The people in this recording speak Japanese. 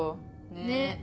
ねっ。